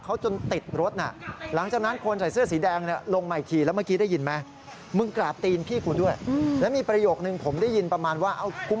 ขับแบบกระโชกห้กห้าคแล้วพยายามจะปาก